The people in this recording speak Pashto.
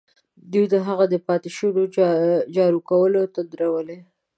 دوی د هغوی د پاتې شونو جارو کولو ته درولي.